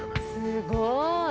すごい！